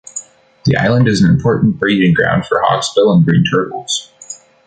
The island is an important breeding ground for hawksbill and green turtles.